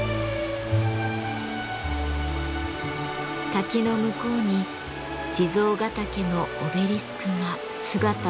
滝の向こうに地蔵ヶ岳のオベリスクが姿を現しました。